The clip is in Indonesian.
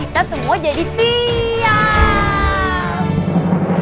kita semua jadi siap